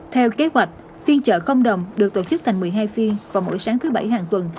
theo kế hoạch phiên chợ cộng đồng được tổ chức thành một mươi hai phiên vào mỗi sáng thứ bảy hàng tuần